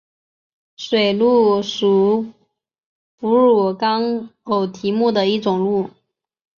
水鹿属哺乳纲偶蹄目的一种鹿。